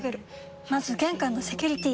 まず玄関のセキュリティ！